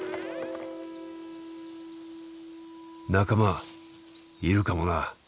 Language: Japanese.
仲間いるかもな。